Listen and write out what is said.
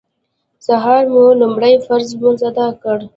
سهار مو لومړی فرض لمونځ اداء کړ.